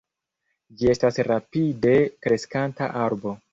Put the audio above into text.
Ĝi estas rapide kreskanta arbo.